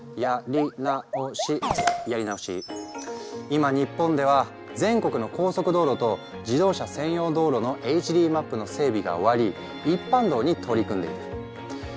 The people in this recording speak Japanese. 今日本では全国の高速道路と自動車専用道路のＨＤマップの整備が終わり一般道に取り組んでいる。